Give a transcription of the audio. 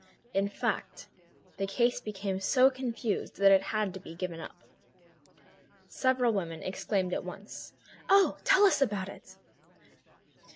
In fact, the case became so confused that it had to be given up." Several women exclaimed at once: "Oh! Tell us about it!"